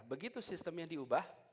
begitu sistemnya diubah